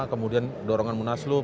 kemudian dorongan munaslup